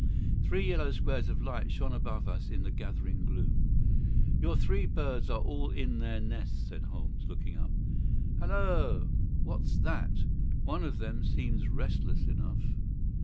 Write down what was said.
Three yellow squares of light shone above us in the gathering gloom. "Your three birds are all in their nests," said Holmes, looking up. "Halloa! What's that? One of them seems restless enough."